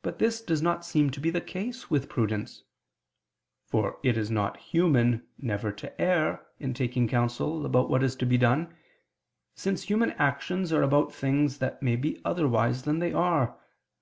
But this does not seem to be the case with prudence: for it is not human never to err in taking counsel about what is to be done; since human actions are about things that may be otherwise than they are.